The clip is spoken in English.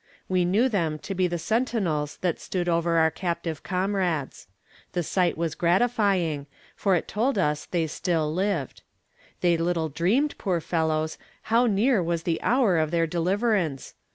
We knew them to be the sentinels that stood over our captive comrades. The sight was gratifying, for it told us they still lived. They little dreamed, poor fellows! how near was the hour of their deliverance.